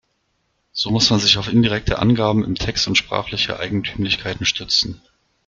So muss man sich auf indirekte Angaben im Text und sprachliche Eigentümlichkeiten stützen.